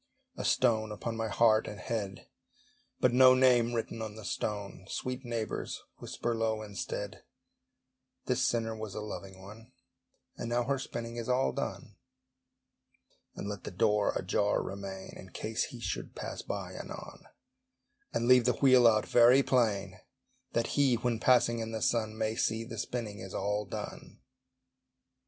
A stone upon my heart and head, But no name written on the stone! Sweet neighbours, whisper low instead, "This sinner was a loving one, And now her spinning is all done." And let the door ajar remain, In case he should pass by anon; And leave the wheel out very plain, That HE, when passing in the sun, May see the spinning is all done.